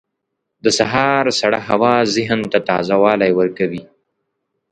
• د سهار سړه هوا ذهن ته تازه والی ورکوي.